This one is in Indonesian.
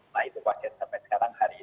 nah itu pasien sampai sekarang hari ini